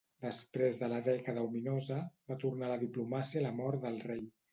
Després de la dècada ominosa, va tornar a la diplomàcia a la mort del rei.